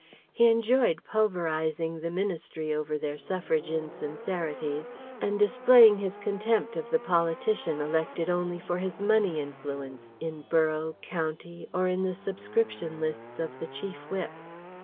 He enjoyed pulverizing the Ministry over their suffrage insincerities and displaying his contempt of the politician elected only for his money influence in borough, county, or in the subscription lists of the Chief Whip.